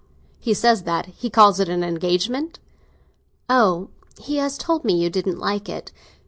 he says that—he calls it an engagement?" "Oh, he has told me you didn't like it."